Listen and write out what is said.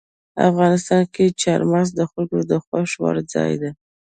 افغانستان کې چار مغز د خلکو د خوښې وړ ځای دی.